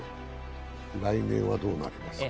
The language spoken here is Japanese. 来年はどうなりますか？